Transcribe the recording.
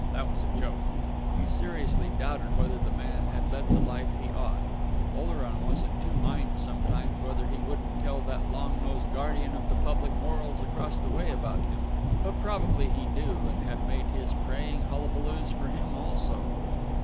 That was a joke!). He seriously doubted whether the man had led the life he ought; Oleron was in two minds sometimes whether he wouldn't tell that long nosed guardian of the public morals across the way about him; but probably he knew, and had made his praying hullabaloos for him also.